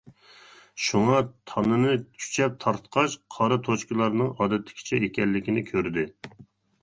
شۇڭا تانىنى كۈچەپ تارتقاچ، قارا توچكىلارنىڭ ئادەتتىكىچە ئىكەنلىكىنى كۆردى.